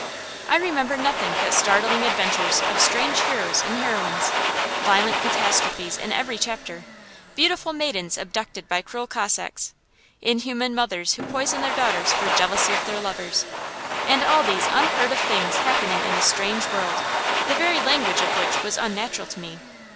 I remember nothing but startling adventures of strange heroes and heroines, violent catastrophes in every chapter, beautiful maidens abducted by cruel Cossacks, inhuman mothers who poisoned their daughters for jealousy of their lovers; and all these unheard of things happening in a strange world, the very language of which was unnatural to me.